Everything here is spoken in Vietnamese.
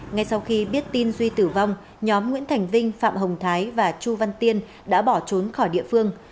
ngay sau khi biết tin duy tử vong nhóm nguyễn thành vinh phạm hồng thái và chu văn tiên đã bỏ trốn khỏi địa phương